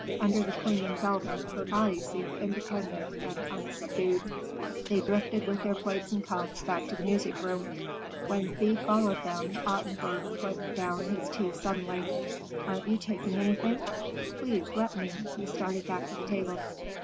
Under the clinging velvet, her body seemed independent and unsubdued. They drifted, with their plates and cups, back to the music room. When Thea followed them, Ottenburg put down his tea suddenly. "Aren't you taking anything? Please let me." He started back to the table.